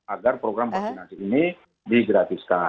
agar program vaksinasi ini digratiskan